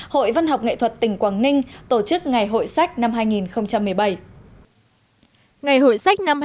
hội văn học nghệ thuật tỉnh quảng ninh tổ chức ngày hội sách năm hai nghìn một mươi bảy